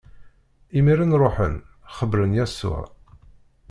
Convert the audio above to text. Imiren ṛuḥen, xebbṛen Yasuɛ.